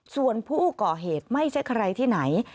ส่วนผู้ก่อเหตุไม่ใช่ใครที่ไหน